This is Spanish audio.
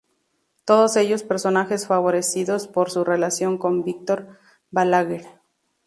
Todos ellos personajes favorecidos por su relación con Víctor Balaguer.